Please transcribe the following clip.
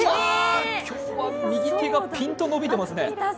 今日は右手がピンと伸びてますね。